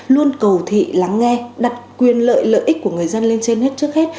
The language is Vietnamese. luôn cầu thị lắng nghe đặt quyền lợi lợi ích của người dân lên trên hết trước hết